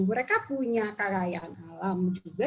mereka punya kekayaan alam juga